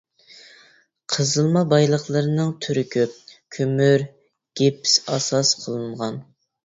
قېزىلما بايلىقلىرىنىڭ تۈرى كۆپ، كۆمۈر، گىپىس ئاساس قىلىنغان.